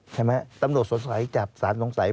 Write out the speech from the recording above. ใช่ไหมตำรวจสงสัยจับสารสงสัยป่อย